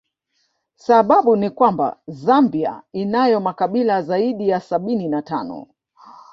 Sababu ni kwamba Zambia inayo makabila zaidi ya sabini na tano